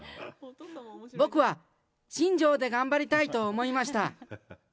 僕は新庄で頑張りたいと思いました。